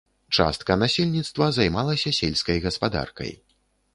Частка насельніцтва займалася сельскай гаспадаркай.